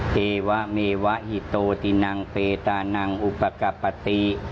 เทวะเมวะหิโตตินังเปตานังอุปกปติ